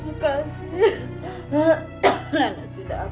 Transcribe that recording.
mulut nenek berdarah